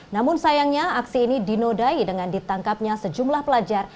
namun sayangnya aksi ini dinodai dengan ditangkapnya sejumlah pelajar